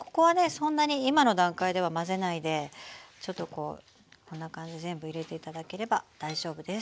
そんなに今の段階では混ぜないでちょっとこうこんな感じで全部入れて頂ければ大丈夫です。